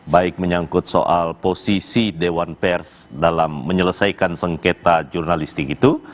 baik menyangkut soal posisi dewan pers dalam menyelesaikan sengketa jurnalistik itu